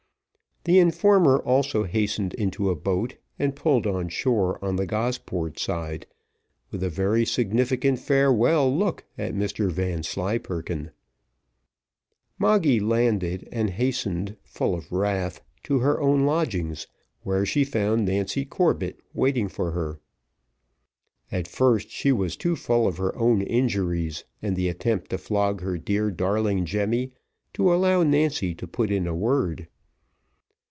The informer also hastened into a boat, and pulled on shore on the Gosport side, with a very significant farewell look at Mr Vanslyperken. Moggy landed, and hastened, full of wrath, to her own lodgings, where she found Nancy Corbett waiting for her. At first she was too full of her own injuries, and the attempt to flog her dear darling Jemmy, to allow Nancy to put in a word.